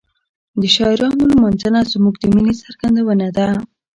د شاعرانو لمانځنه زموږ د مینې څرګندونه ده.